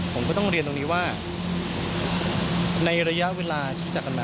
ผมก็ต้องเรียนตรงนี้ว่าในระยะเวลาที่รู้จักกันมา